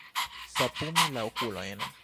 Sapumi la okulojn.